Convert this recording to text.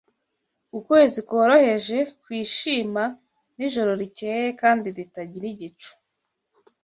Ukwezi kworoheje kwishima nijoro rikeye kandi ritagira igicu